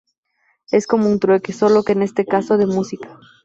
Es como un trueque, solo que en este caso de música.